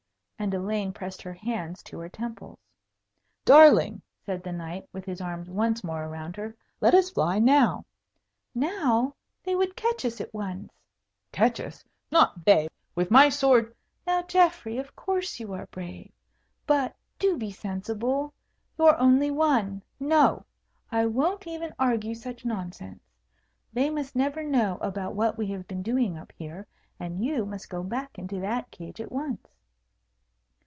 and Elaine pressed her hands to her temples. "Darling," said the knight, with his arms once more around her, "let us fly now." "Now? They would catch us at once." "Catch us! not they! with my sword " "Now, Geoffrey, of course you are brave. But do be sensible. You are only one. No! I won't even argue such nonsense. They must never know about what we have been doing up here; and you must go back into that cage at once."